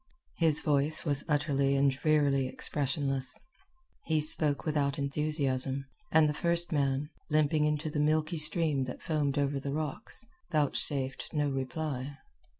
His voice was utterly and drearily expressionless. He spoke without enthusiasm; and the first man, limping into the milky stream that foamed over the rocks, vouchsafed no reply.